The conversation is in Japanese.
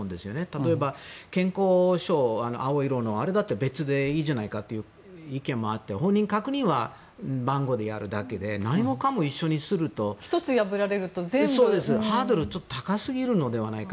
例えば、健康保険証青色のやつあれだって別でいいじゃないかという意見もあって本人確認は番号でやるだけで何もかも一緒にするとハードルが高すぎるのではないか。